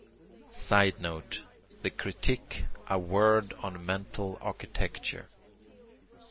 [Sidenote: The Critique a word on mental architecture.